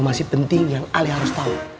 masih penting yang alih harus tahu